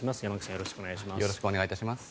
よろしくお願いします。